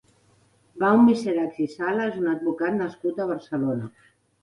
Pau Miserachs i Sala és un advocat nascut a Barcelona.